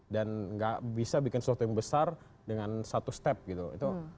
dan nggak bisa bikin sesuatu yang besar dengan satu step gitu